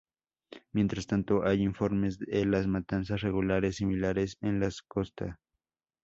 Mientras tanto, hay informes de las matanzas regulares similares en las costa.